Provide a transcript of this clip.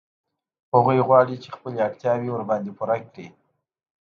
هغوی غواړي چې خپلې اړتیاوې ورباندې پوره کړي